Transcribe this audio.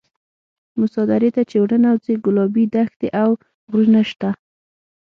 موسی درې ته چې ورننوځې ګلابي دښتې او غرونه شته.